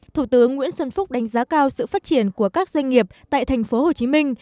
thủ tướng nguyễn xuân phúc đánh giá cao sự phát triển của các doanh nghiệp tại thành phố hồ chí minh